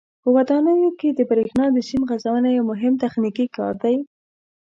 په ودانیو کې د برېښنا د سیم غځونه یو مهم تخنیکي کار دی.